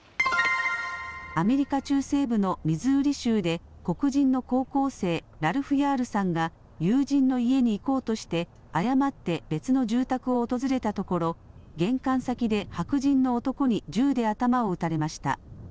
アメリカ中西部のミズーリ州で黒人の高校生、ラルフ・ヤールさんが友人の家に行こうとして誤って別の住宅を訪れたところ玄関先で白人の男に銃で頭を撃たれました。